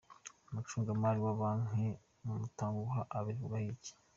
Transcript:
Umucungamari wa banki Umutanguha abivugaho iki?.